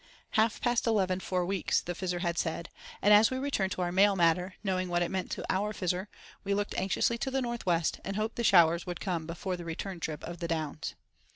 "Half past eleven four weeks," the Fizzer had said; and as we returned to our mail matter, knowing what it meant to our Fizzer, we looked anxiously to the northwest, and "hoped the showers" would come before the "return trip of the Downs."